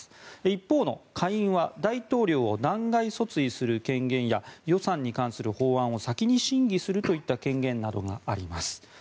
一方の下院は大統領を弾劾訴追する権限や予算に関する法案を先に審議するといった権限などがあります。